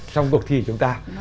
trong cuộc thi chúng ta